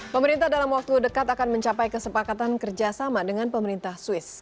pemerintah dalam waktu dekat akan mencapai kesepakatan kerjasama dengan pemerintah swiss